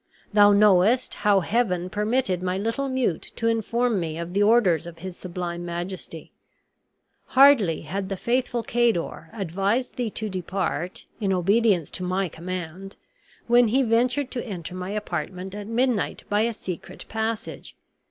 Thou knowest how Heaven permitted my little mute to inform me of the orders of his sublime majesty. Hardly had the faithful Cador advised thee to depart, in obedience to my command, when he ventured to enter my apartment at midnight by a secret passage.